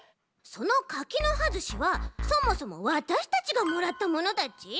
その柿の葉ずしはそもそもわたしたちがもらったものだち。